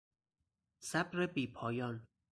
صبر بیپایان